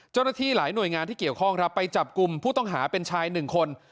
เจ้าหน้าที่หลายหน่วยงานที่เกี่ยวข้องครับไปจับกลุ่มผู้ต้องหาเป็นชายหนึ่งคน